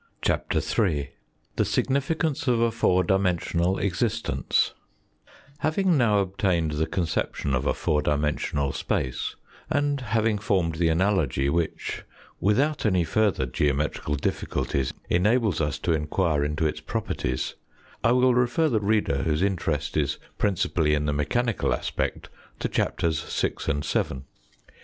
CHAPTER III THE SIGNIFICANCE OF A FOUR DIMENSIONAL EXISTENCE HAVING now obtained the conception of a four dimensional space, and having formed the analogy which, without any further geometrical difficulties, enables us to enquire into its properties, I will refer the reader, whose interest is principally in the mechanical aspect, to Chapters VI. and VII.